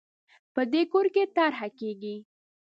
په دې کور کې طرحه کېږي